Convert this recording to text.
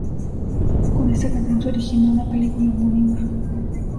Con esta canción se originó una película homónima.